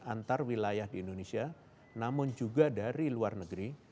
antar wilayah di indonesia namun juga dari luar negeri